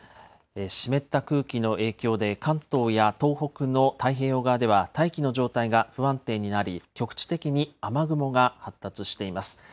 湿った空気の影響で関東や東北の太平洋側では大気の状態が不安定になり、局地的に雨雲が発達しています。